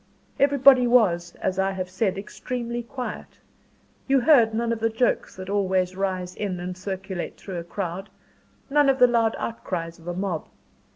Everybody was, as I have said, extremely quiet. You heard none of the jokes that always rise in and circulate through a crowd; none of the loud outcries of a mob.